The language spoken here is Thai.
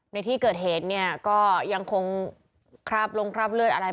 ในที่เกิดเหตุเนี่ยก็ยังคงคราบลงคราบเลือดอะไร